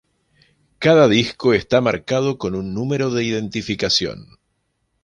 Cada disco está marcado con un número de identificación.